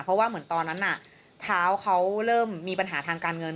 เพราะว่าเหมือนตอนนั้นน่ะเท้าเขาเริ่มมีปัญหาทางการเงิน